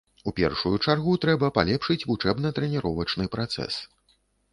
У першую чаргу, трэба палепшыць вучэбна-трэніровачны працэс.